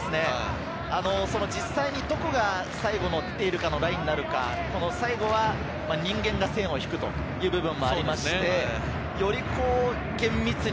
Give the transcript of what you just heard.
実際にどこが最後のラインになるか、最後は人間が線を引くという部分もありまして、より厳密に。